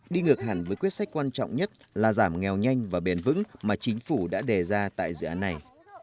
đi ngược hẳn với quyết sách quan trọng nhất là giảm nghèo nhanh và bền vững mà chính phủ đã đề ra tại dự án này